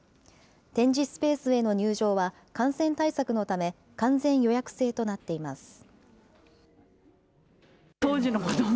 展示スペースへの入場は感染対策のため、完全予約制となっています。